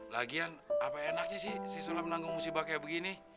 lagian apa enaknya sih si sulam menanggung musibah kayak begini